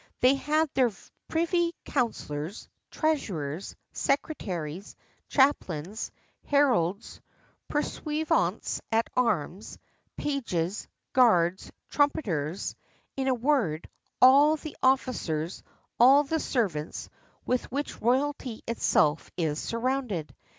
They had their privy counsellors, treasurers, secretaries, chaplains, heralds, pursuivants at arms, pages, guards, trumpeters in a word, all the officers, all the servants, with which royalty itself is surrounded.